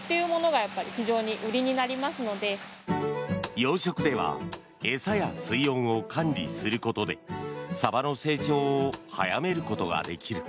養殖では餌や水温を管理することでサバの成長を早めることができる。